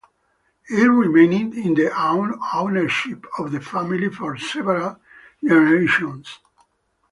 It remained in the ownership of the family for several generations.